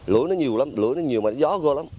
lửa nó nhiều lắm lửa nó nhiều mà nó gió vô lắm